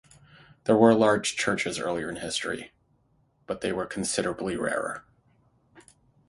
There were large churches earlier in history, but they were considerably rarer.